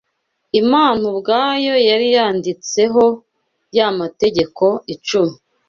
Imana ubwayo yari yanditseho ya mategeko icumi